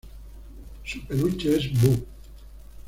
Su peluche es Boo!.